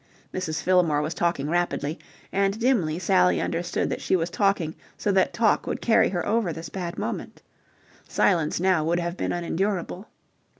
Mrs. Fillmore was talking rapidly, and dimly Sally understood that she was talking so that talk would carry her over this bad moment. Silence now would have been unendurable.